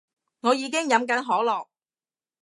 我已經飲緊可樂